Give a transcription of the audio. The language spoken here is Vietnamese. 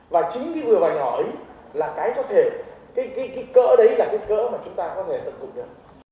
và chính cái vừa và nhỏ ấy là cái có thể cái cỡ đấy là kích cỡ mà chúng ta có thể tận dụng được